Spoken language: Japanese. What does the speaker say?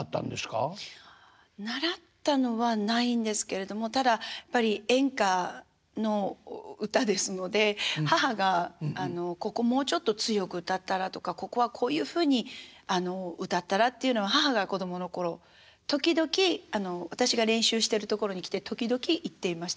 習ったのはないんですけれどもただやっぱり演歌の歌ですので母が「ここもうちょっと強く歌ったら？」とか「ここはこういうふうに歌ったら？」っていうのは母が子供の頃時々私が練習しているところに来て時々言っていました母が。